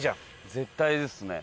絶対ですね。